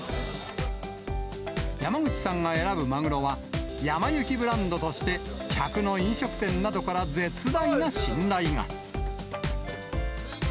山口さんが選ぶマグロは、やま幸ブランドとして客の飲食店などから絶大な信頼が。